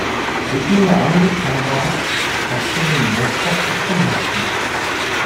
Хэдийнээ амжиж хамгаалах чагтыг нь мулталчихсан харагдана.